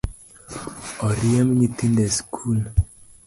Oriemb nyithindo e sikul